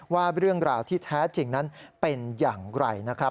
ว่าเรื่องราวที่แท้จริงนั้นเป็นอย่างไรนะครับ